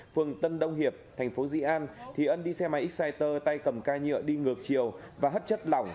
phường tân đông hiệp thành phố di an thì ân đi xe máy exciter tay cầm ca nhựa đi ngược chiều và hấp chất lỏng